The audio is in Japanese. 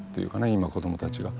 今の子どもたちは。